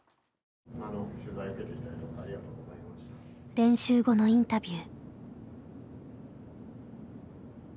練習後のインタビュー。